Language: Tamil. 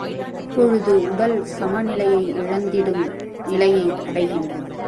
அப்பொழுது உடல் சமநிலையை இழந்திடும் நிலையை அடைகின்றது.